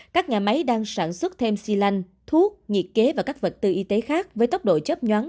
các nhà máy đang sản xuất thêm xi lanh thuốc nhiệt kế và các vật tư y tế khác với tốc độ chấp nhoáng